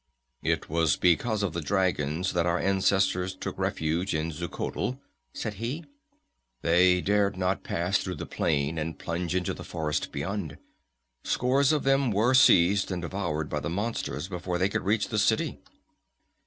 "It was because of the dragons that our ancestors took refuge in Xuchotl," said he. "They dared not pass through the plain and plunge into the forest beyond. Scores of them were seized and devoured by the monsters before they could reach the city."